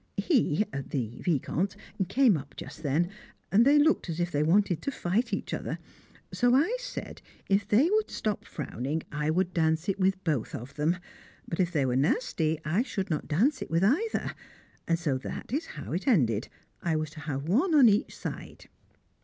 He the Vicomte came up just then, and they looked as if they wanted to fight each other; so I said if they would stop frowning, I would dance it with both of them, but if they were nasty, I should not dance it with either; and so that is how it ended, I was to have one on each side.